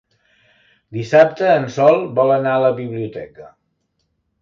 Dissabte en Sol vol anar a la biblioteca.